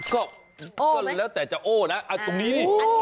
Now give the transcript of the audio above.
ก็ก็แล้วแต่จะโอ้นะอันตรงนี้นี่โอ้